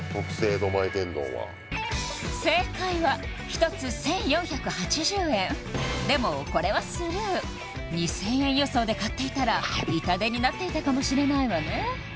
江戸前天丼は正解は１つ１４８０円でもこれはスルー２０００円予想で買っていたら痛手になっていたかもしれないわね